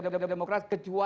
baik bang max sopakua